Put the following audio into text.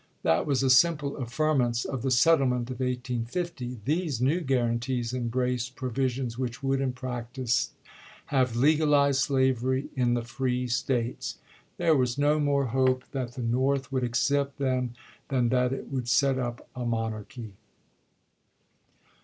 That was a simple affirmance of the settlement of 1850. These new "guarantees" embraced provisions which would in practice have legalized slavery in the free States. There was no more hope that the North would accept them than that it would set up a monarchy.